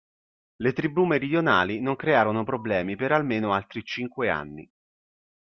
Le tribù meridionali non crearono problemi per almeno altri cinque anni.